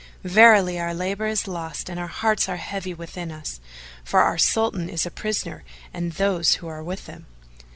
Verily our labour is lost and our hearts are heavy within us, for our Sultan is a prisoner and those who are with him."